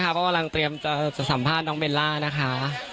เพราะว่าเรากำลังเตรียมสัมภาษณ์น้องเวลานะคะ